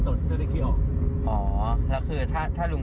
พอรู้คนออกไปเคยาเข่านุ่ง